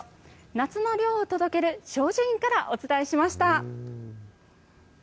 夏の涼を届ける正寿院からお伝えしました。